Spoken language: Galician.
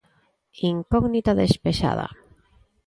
Incógnita despexada.